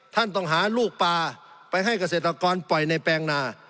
ท่านต้องหาลูกปลาไปให้เกษตรกรปล่อยในแปลงนา